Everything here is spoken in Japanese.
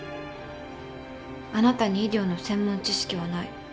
あなたに医療の専門知識はない。